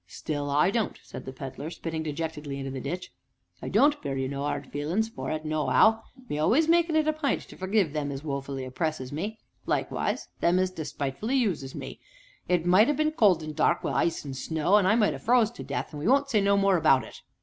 Still, I don't," said the Pedler, spitting dejectedly into the ditch, "I don't bear you no 'ard feelin's for it, no'ow me always makin' it a pint to forgive them as woefully oppresses me, likewise them as despitefully uses me it might ha' been cold, and dark, wi' ice and snow, and I might ha' froze to death but we won't say no more about it."